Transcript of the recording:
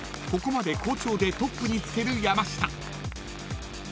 ここまで好調でトップにつける山下］